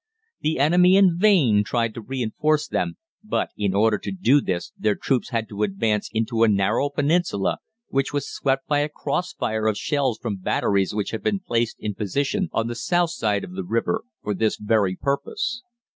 The enemy in vain tried to reinforce them, but in order to do this their troops had to advance into a narrow peninsula which was swept by a cross fire of shells from batteries which had been placed in position on the south side of the river for this very purpose.